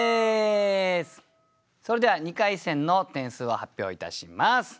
それでは２回戦の点数を発表いたします。